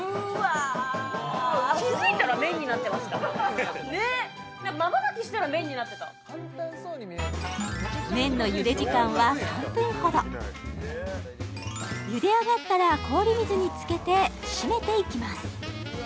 うわねっまばたきしたら麺になってた麺の茹で時間は３分ほど茹で上がったら氷水につけて締めていきます